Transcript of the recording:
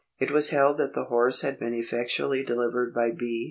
It was held that the horse had been effectually delivered by B.